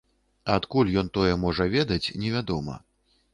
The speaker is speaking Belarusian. Адкуль ён тое можа ведаць, невядома.